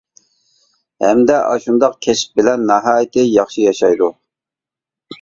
ھەمدە ئاشۇنداق كەسىپ بىلەن ناھايىتى ياخشى ياشايدۇ.